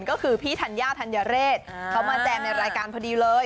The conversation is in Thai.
ก็คือพี่ธัญญาธัญเรศเขามาแจมในรายการพอดีเลย